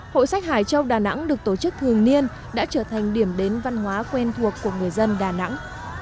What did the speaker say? hội sách hải châu đà nẵng được tổ chức thường niên đã trở thành điểm đến văn hóa quen thuộc của người dân đà nẵng